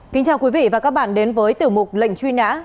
kính chào quý vị và các bạn đến với tiểu mục lệnh truy nã